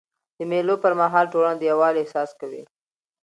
د مېلو پر مهال ټولنه د یووالي احساس کوي.